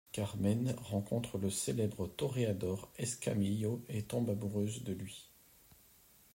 Carmen rencontre le célèbre toréador Escamillo et tombe amoureuse de lui.